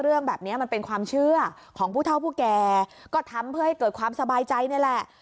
เรื่องแบบนี้มันเป็นความเชื่อของผู้เท่าผู้แก่ก็ทำเพื่อให้เกิดความสบายใจนี่แหละ